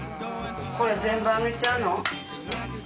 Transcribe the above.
これ全部揚げちゃうの？